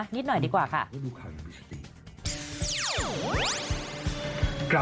นิดหน่อยดีกว่าค่ะ